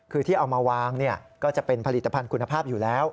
คือที่เอามาวางก็จะเป็นผลิตภัณฑ์คุณภาพอยู่แล้ว